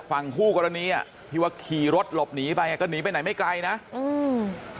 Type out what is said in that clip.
ฝั่งคู่กรณีอ่ะที่ว่าขี่รถหลบหนีไปอ่ะก็หนีไปไหนไม่ไกลนะอืม